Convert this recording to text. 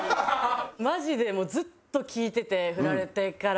マジでもうずっと聴いててフラれてから。